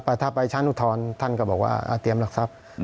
เผาท่าไปช้านุทรท่านก็บอกว่าเตรียมหรักษัพ